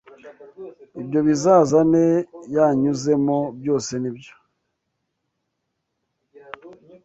Ibyo bizazane yanyuzemo byose nibyo